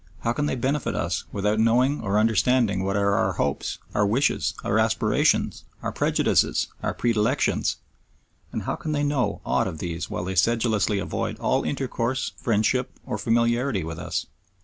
How can they benefit us without knowing or understanding what are our hopes, our wishes, our aspirations, our prejudices, our predilections? And how can they know aught of these while they sedulously avoid all intercourse, friendship, or familiarity with us?